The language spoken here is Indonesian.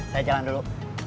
saya jalan dulu